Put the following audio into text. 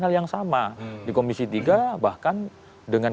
hal yang sama di komisi tiga bahkan dengan